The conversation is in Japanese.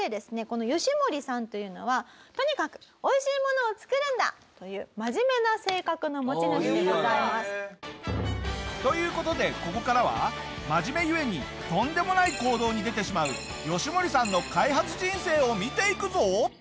このヨシモリさんというのはとにかく美味しいものを作るんだという真面目な性格の持ち主でございます。という事でここからは真面目ゆえにとんでもない行動に出てしまうヨシモリさんの開発人生を見ていくぞ！